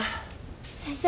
・先生。